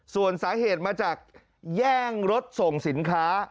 ส่วนสาเหตุมาจากแย่งรถส่งสินค้า